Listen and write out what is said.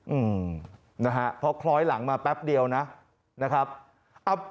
อืมนะฮะเพราะคล้อยหลังมาแป๊บเดียวนะนะครับเอา